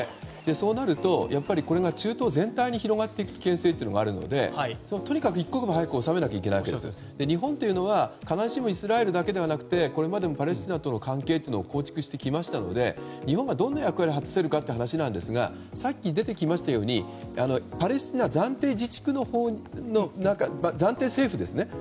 そうなると、これが中東全体に広がっていく危険性があるのでとにかく一刻も早く収めなくてはいけなくて日本はイスラエルだけじゃなくパレスチナとの関係も構築してきましたので日本がどんな役割を果たせるかという話なんですがさっき、出てきましたようにパレスチナ暫定政府ですね。